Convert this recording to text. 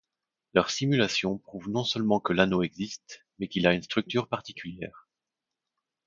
Leurs simulations prouvent non seulement que l'anneau existe, mais qu'il a une structure particulière.